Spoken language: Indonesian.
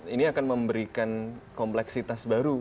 ini akan memberikan kompleksitas baru